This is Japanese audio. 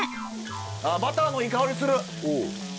バターのいい香りする。